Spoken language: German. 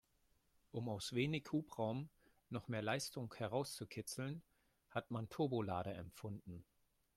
Um aus wenig Hubraum noch mehr Leistung herauszukitzeln, hat man Turbolader erfunden.